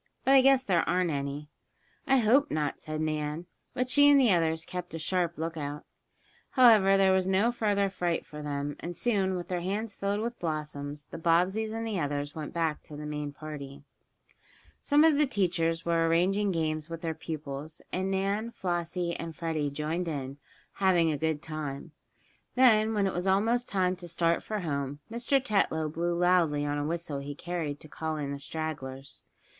But I guess there aren't any." "I hope not," said Nan, but she and the others kept a sharp lookout. However, there was no further fright for them, and soon, with their hands filled with blossoms the Bobbseys and the others went back to the main party. Some of the teachers were arranging games with their pupils, and Nan, Flossie and Freddie joined in, having a good time. Then, when it was almost time to start for home, Mr. Tetlow blew loudly on a whistle he carried to call in the stragglers.